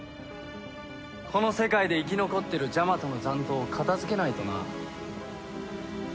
この世界で生き残ってるジャマトの残党を片付けないとな。